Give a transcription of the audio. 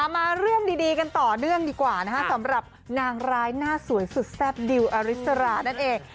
มาเรื่องดีกันต่อเนื่องดีกว่านะคะสำหรับนางร้ายหน้าสวยสุดแซ่บดิวอริสรานั่นเอง